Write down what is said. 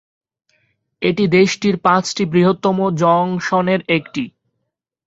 এটি দেশটির পাঁচটি বৃহত্তম জংশনের একটি।